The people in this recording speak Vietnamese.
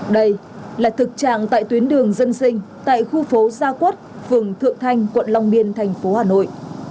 đây là thực trạng tại tuyến đường dân sinh tại khu phố gia quất phường thượng thanh quận long biên thành phố hà nội